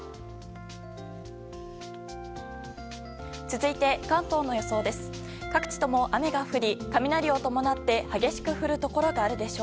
続いて、関東の予想です。